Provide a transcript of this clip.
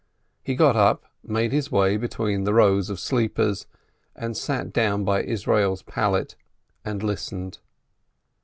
He got up, made his way between the rows of sleepers, and sat down by Israel's pallet, and listened.